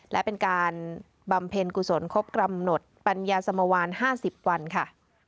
และเป็นการบำเพ็ญกุศลครบกำหนดปัญญาสมวาน๕๐วันค่ะ